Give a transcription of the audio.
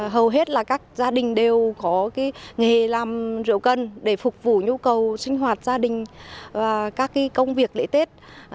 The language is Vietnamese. hầu hết là các gia đình đều có nghề làm rượu cần để phục vụ nhu cầu sinh hoạt gia đình và các công việc lễ tết